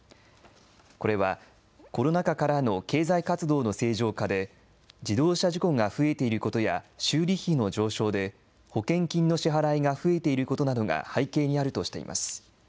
これはコロナ禍からの経済活動の正常化で、自動車事故が増えていることや、修理費の上昇で、保険金の支払いが増えていることなどが背景にあるとしています。